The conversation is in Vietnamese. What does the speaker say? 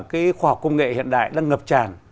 cái khoa học công nghệ hiện đại đang ngập tràn